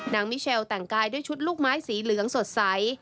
มิเชลแต่งกายด้วยชุดลูกไม้สีเหลืองสดใส